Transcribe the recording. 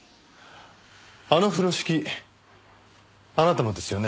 あの風呂敷あなたのですよね？